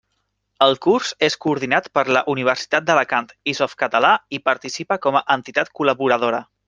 El curs és coordinat per la Universitat d'Alacant, i Softcatalà hi participa com a entitat col·laboradora.